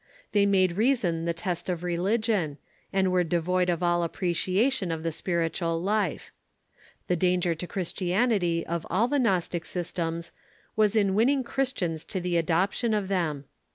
They made reason the test of religion, and were devoid of all appreciation of the spiritual life. The danger to Chris tianity of all the Gnostic systems Avas in Avinning Christians to the adoption of them.